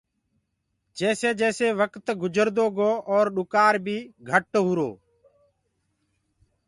جيسي جيسي وڪت گُجردو گو اور ڏُڪآر بيٚ گهٽ هوُرو۔